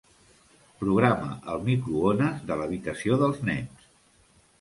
Programa el microones de l'habitació dels nens.